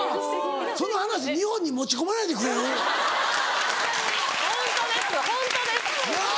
その話日本に持ち込まないでくれる⁉ホントですホントです。